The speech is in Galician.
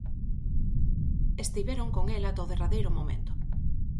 Estiveron con el ata o derradeiro momento.